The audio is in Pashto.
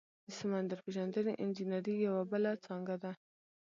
د سمندر پیژندنې انجنیری یوه بله څانګه ده.